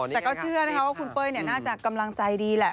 แต่ก็เชื่อนะคะว่าคุณเป้ยน่าจะกำลังใจดีแหละ